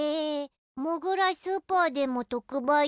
モグラスーパーでもとくばいだったの？